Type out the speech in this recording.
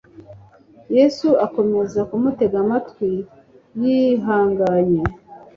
Yesu akomeza kumutega amatwi yihanganye.